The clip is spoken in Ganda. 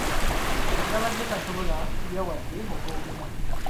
Yabadde tasobola kulya wadde okwogera.